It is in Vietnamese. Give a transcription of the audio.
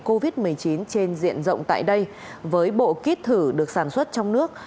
covid một mươi chín trên diện rộng tại đây với bộ kít thử được sản xuất trong nước